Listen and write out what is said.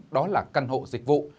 đó là căn hộ dịch vụ